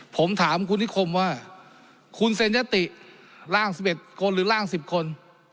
ผมถามคุณนิคมว่าคุณเซ็นยติร่าง๑๑คนหรือร่าง๑๐คน